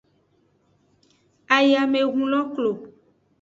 Ayamehun lo klo.